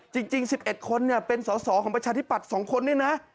จริง๑๑คนเป็นสอสอของประชาธิปัตย์๒คนเนี่ยนะ